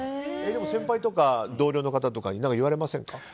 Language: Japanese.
でも、先輩とか同僚の方に何か言われませんか？